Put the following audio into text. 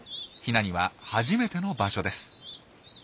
ヒナには初めての場所です。